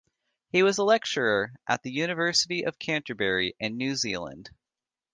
He was a lecturer at the University of Canterbury in New Zealand.